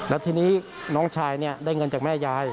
แล้วทีนี้น้องชายเนี่ยได้เงินจากแม่ยาย